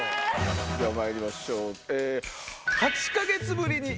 ではまいりましょう。